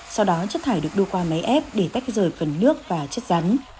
sau đó chất thải được đua qua máy ép để tách rời phần nước và chất rắn